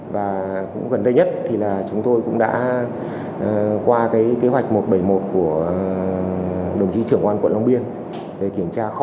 vẫn cũng gần đây nhất chúng tôi đã qua kế hoạch một trăm bảy mươi một của đồng chí trưởng quân quận long biên để kiểm tra kho